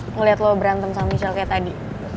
ngeliat lo berantem sama michel kayak tadi